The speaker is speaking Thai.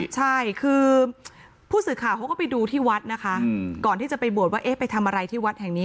ใช่คือผู้สื่อข่าวเขาก็ไปดูที่วัดนะคะก่อนที่จะไปบวชว่าเอ๊ะไปทำอะไรที่วัดแห่งนี้